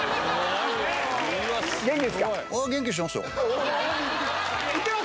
元気ですか？